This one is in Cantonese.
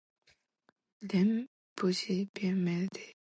人無恥便無敵